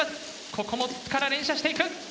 ここも筒から連射していく。